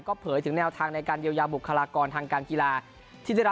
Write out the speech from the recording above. ก็เผยถึงแนวทางในการเยวยาบุคลากรทางการกีฬา